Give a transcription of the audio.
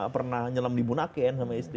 pernah nyelam di bunaken sama istri